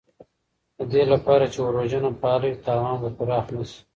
د دې لپاره چې اور وژنه فعاله وي، تاوان به پراخ نه شي.